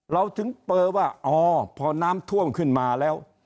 เราถึงเปลว่าอ๋อพอน้ำท่วมขึ้นมาแล้ว